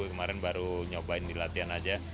kemarin baru nyobain di latihan aja